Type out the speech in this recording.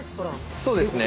そうですね。